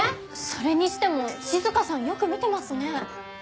それにしても静さんよく見てますね。